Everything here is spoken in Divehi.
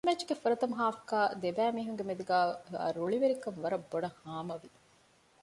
މި މެޗުގެ ފުރަތަމަ ހާފުގައި ދެބައި މީހުންގެ މެދުގައިވާ ރުޅިވެރިކަން ވަރަށް ބޮޑަށް ހާމަވި